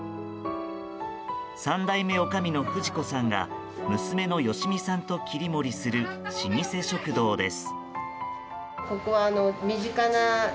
３代目おかみの不二子さんが娘の良美さんと切り盛りする老舗食堂です。